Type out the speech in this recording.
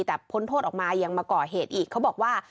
แต่พ้นโทษออกมายังมาก่อเหตุอีกเขาบอกว่า